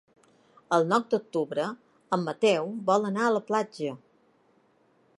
El nou d'octubre en Mateu vol anar a la platja.